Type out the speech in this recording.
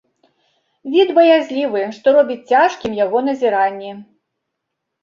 Від баязлівы, што робіць цяжкімі яго назіранні.